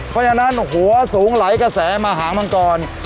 เพราะฉะนั้นหัวสูงไหลกระแสมหามังกร